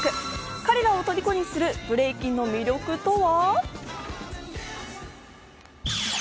彼らを虜にするブレイキンの魅力とは。